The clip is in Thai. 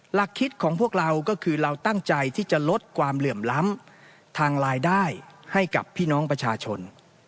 หลักคิดของพวกเราก็คือเราตั้งใจที่จะลดความเหลื่อมล้ำทางรายได้ให้กับพี่น้องประชาชน